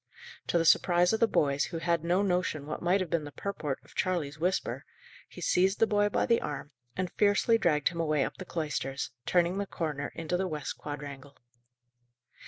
To the surprise of the boys, who had no notion what might have been the purport of Charley's whisper, he seized the boy by the arm, and fiercely dragged him away up the cloisters, turning the corner into the west quadrangle.